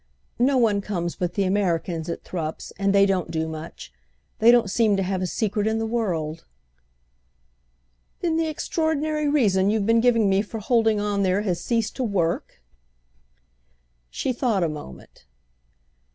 No one comes but the Americans at Thrupp's, and they don't do much. They don't seem to have a secret in the world." "Then the extraordinary reason you've been giving me for holding on there has ceased to work?" She thought a moment.